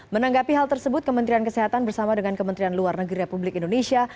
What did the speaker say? menanggapi hal tersebut kementerian kesehatan bersama dengan kementerian luar negeri republik indonesia